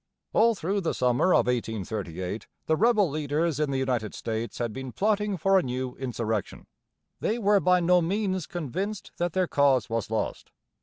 All through the summer of 1838 the rebel leaders in the United States had been plotting for a new insurrection. They were by no means convinced that their cause was lost.